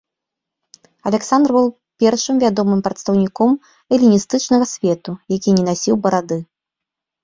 Аляксандр быў першым вядомым прадстаўніком эліністычнага свету, які не насіў барады.